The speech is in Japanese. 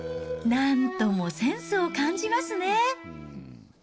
なんともセンスを感じますね。